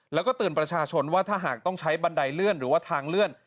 แล้วก็เตือนประชาชนว่าถ้าหากต้องใช้บันไดเลื่อนหรือว่าทางเลื่อน